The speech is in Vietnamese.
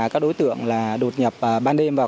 các đối tượng là đột nhập ban đêm vào